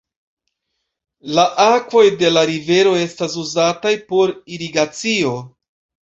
La akvoj de la rivero estas uzataj por irigacio.